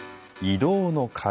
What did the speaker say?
移動の壁。